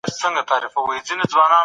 کډوال د خوراک او استوګني حق لري.